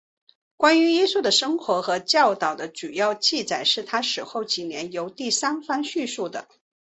关于耶稣的生活和教导的主要记载是他死后几年由第三方叙述的。